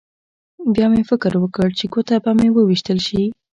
بیا مې فکر وکړ چې ګوته به مې وویشتل شي